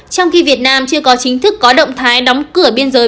trong khi việt nam chưa có chính thức có động thái đóng cửa biên giới